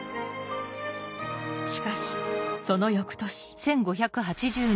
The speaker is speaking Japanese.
しかしその翌年。